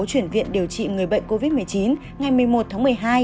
chuyển viện điều trị người bệnh covid một mươi chín ngày một mươi một tháng một mươi hai